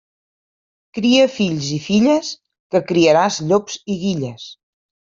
Cria fills i filles, que criaràs llops i guilles.